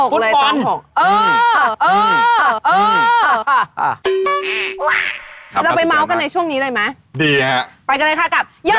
อือลักษณะทีราเลยครับ